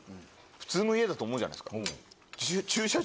普通の家だと思うじゃないっすか。